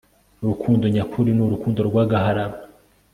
urukundo nyakuri n urukundo rw agahararo